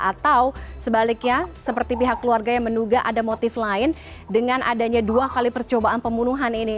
atau sebaliknya seperti pihak keluarga yang menduga ada motif lain dengan adanya dua kali percobaan pembunuhan ini